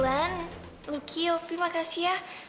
glenn lucky opi makasih ya